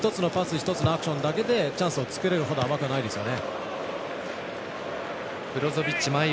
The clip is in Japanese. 一つのアクションだけでチャンスを作れるほど甘くはないですよね。